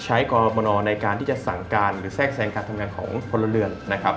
ใช้กรมนในการที่จะสั่งการหรือแทรกแสงการทำงานของคนละเรือน